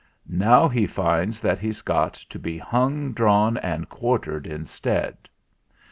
Now he finds that he's got To be hung, drawn, and quartered instead.